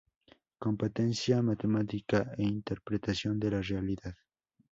Competencia matemática e interpretación de la realidad.